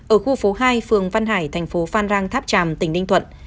ở khu phố hai phường văn hải thành phố phan rang tháp tràm tỉnh ninh thuận